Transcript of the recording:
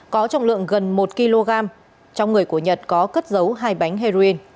có trọng lượng gần một kg trong người của nhật có cất dấu hai bánh heroin